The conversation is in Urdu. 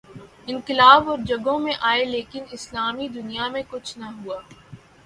انقلاب اور جگہوں میں آئے لیکن اسلامی دنیا میں کچھ نہ ہوا۔